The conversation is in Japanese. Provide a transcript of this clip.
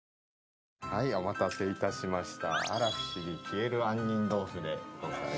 お待たせいたしました。